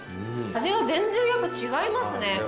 味が全然やっぱ違いますね。